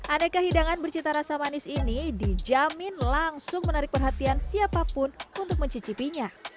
aneka hidangan bercita rasa manis ini dijamin langsung menarik perhatian siapapun untuk mencicipinya